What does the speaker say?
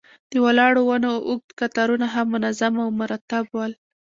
د ولاړو ونو اوږد قطارونه ښه منظم او مرتب ول.